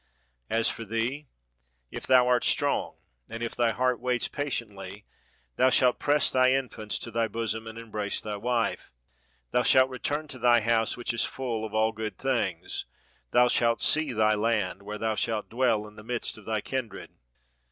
"'As for thee, if thou art strong, and if thy heart waits patiently, thou shalt press thy infants to thy bosom and embrace thy wife. Thou shalt return to thy house which is full of all good things, thou shalt see thy land, where thou shalt dwell in the midst of thy kindred.'